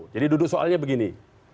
jadi duduk soalnya begini